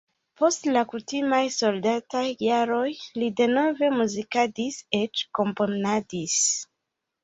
Post la kutimaj soldataj jaroj li denove muzikadis, eĉ komponadis.